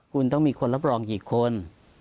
คุณต้องมีคนรับรองกี่คน